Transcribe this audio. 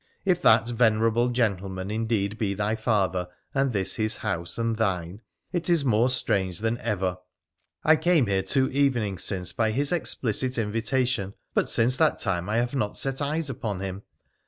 ' If that venerable gentleman indeed be thy father, and this his house and thine, it is more strange than ever. I came here two evenings since by his explicit invitation, but since that time I have not set eyes upon him.